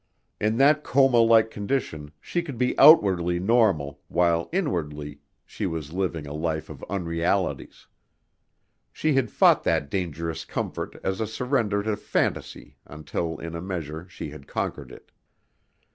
In that coma like condition she could be outwardly normal while inwardly she was living a life of unrealities. She had fought that dangerous comfort as a surrender to phantasy until in a measure she had conquered it.